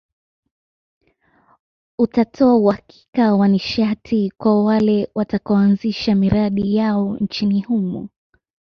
Utatoa uhakika wa nishati kwa wale watakaoanzisha miradi yao nchini humo